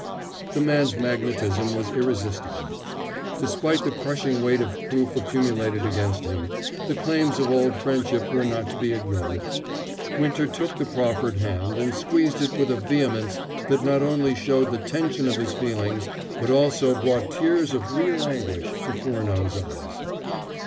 The man's magnetism was irresistible. Despite the crushing weight of proof accumulated against him, the claims of old friendship were not to be ignored. Winter took the proffered hand and squeezed it with a vehemence that not only showed the tension of his feelings but also brought tears of real anguish to Furneaux's eyes.